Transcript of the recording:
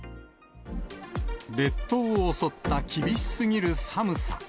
列島を襲った厳しすぎる寒さ。